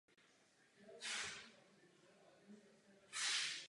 Jsme energetickým ostrovem, který potřebuje vyšší stupeň propojení.